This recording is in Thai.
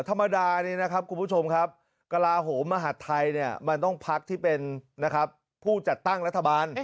สมมุตินี้นะครับคุณผู้ชมกระลาฮมมาหัฐทัยนี่มันต้องภักดิ์ที่เป็นผู้จัดต้อนรัฐบาล